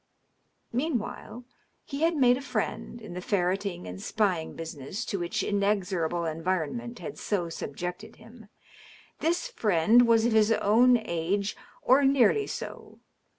Meanwhile, he had made a friend, in the ferreting and spying business to which inexorable environment had so subjected him. This friend was of his own age, or nearly so.